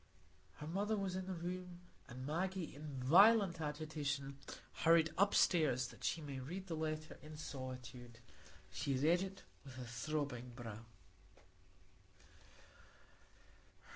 Her mother was in the room, and Maggie, in violent agitation, hurried upstairs that she might read the letter in solitude. She read it with a throbbing brow.